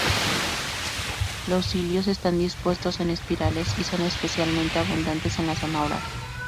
Los cilios están dispuestos en espirales y son especialmente abundantes en la zona oral.